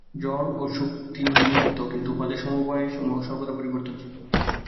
জড় ও শক্তি নিত্য, কিন্তু উহাদের সমবায়সমূহ সর্বদা পরিবর্তনশীল।